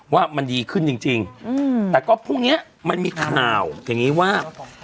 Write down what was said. ว่ามันดีขึ้นจริงแต่ก็พรุ่งนี้มันมีข่าวอย่างนี้ว่า